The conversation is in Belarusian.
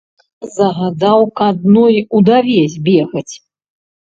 Загадаў к адной удаве збегаць.